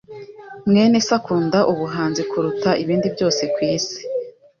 mwene se akunda ubuhanzi kuruta ibindi byose kwisi.